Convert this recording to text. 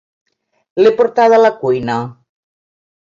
L'he portada a la cuina.